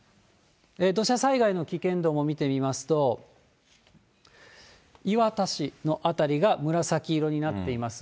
土砂災害の危険度も見てみますと、磐田市の辺りが紫色になっています。